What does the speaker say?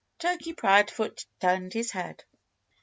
Turkey Proudfoot turned his head.